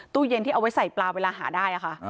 ตู้เย็นที่เอาไว้ใส่ปลาเวลาหาได้ค่ะ